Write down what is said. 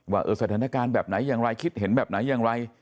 ว่าสถานการณ์แบบไหนอย่างไรคิดเห็นแบบไหนอย่างไร